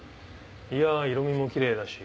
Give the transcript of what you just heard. いや色味もキレイだし。